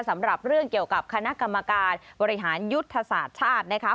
สำหรับเรื่องเกี่ยวกับคณะกรรมการบริหารยุทธศาสตร์ชาตินะคะ